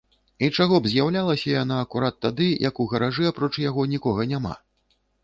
І чаго б з'яўлялася яна акурат тады, як у гаражы, апроч яго, нікога няма?